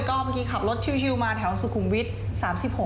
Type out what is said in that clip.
ก็เมื่อกี้ขับรถชิลมาแถวสุขุมวิทย์๓๖